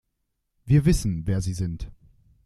Wir wissen, wer sie sind.